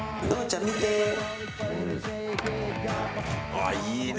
あ、いいね。